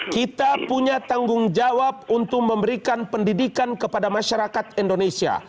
kita punya tanggung jawab untuk memberikan pendidikan kepada masyarakat indonesia